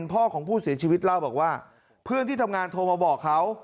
พ่อของผู้เสียชีวิตเล่าบอกว่าเพื่อนที่ทำงานโทรมาบอกเขา